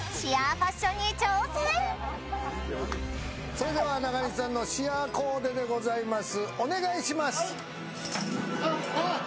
それでは中西さんのシアーコーデでございます。